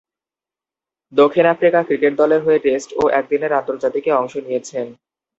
দক্ষিণ Africa cricket দলের হয়ে টেস্ট ও একদিনের আন্তর্জাতিকে অংশ নিয়েছেন।